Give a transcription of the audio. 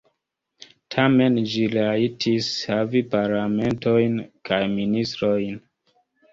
Tamen ĝi rajtis havi parlamentanojn kaj ministrojn.